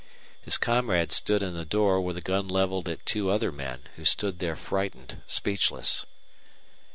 His comrade stood in the door with a gun leveled at two other men, who stood there frightened, speechless.